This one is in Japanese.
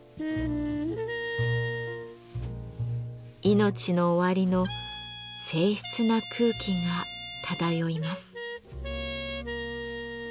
命の終わりの静ひつな空気が漂います。